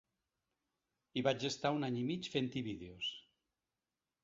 I vaig estar un any i mig fent-hi vídeos.